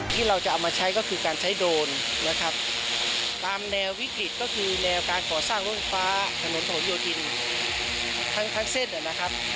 ที่เราจะเอามาใช้ก็คือการใช้โดรนนะครับตามแนววิกฤตก็คือแนวการก่อสร้างรถไฟฟ้าถนนผนโยธินทั้งเส้นนะครับ